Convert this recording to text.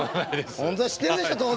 本当は知ってるでしょ当然。